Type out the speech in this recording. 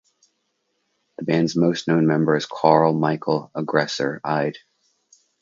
The band's most known member is Carl-Michael "Aggressor" Eide.